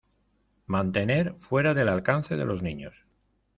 Mantener fuera del alcance de los niños.